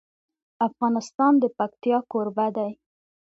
افغانستان د پکتیا کوربه دی.